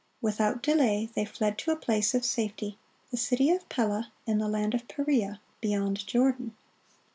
Without delay they fled to a place of safety,—the city of Pella, in the land of Perea, beyond Jordan.